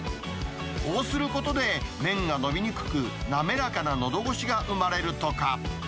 こうすることで、麺がのびにくく、滑らかなのどごしが生まれるとか。